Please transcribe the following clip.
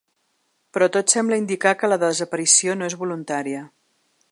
Però tot sembla indicar que la desaparició no és voluntària.